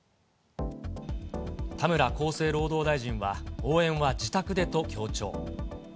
田村厚生労働大臣は、応援は自宅でと強調。